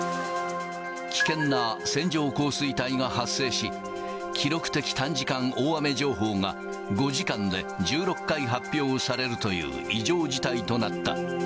危険な線状降水帯が発生し、記録的短時間大雨情報が、５時間で１６回発表されるという異常事態となった。